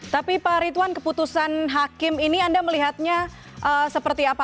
tapi pak ridwan keputusan hakim ini anda melihatnya seperti apa